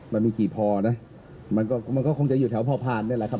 มันมีกี่พอนะมันก็มันก็คงจะอยู่แถวพอผ่านนี่แหละครับ